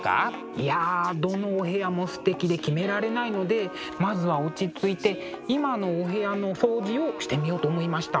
いやどのお部屋もすてきで決められないのでまずは落ち着いて今のお部屋の掃除をしてみようと思いました。